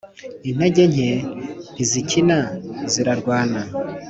Intege nke ntizikina zirarwana.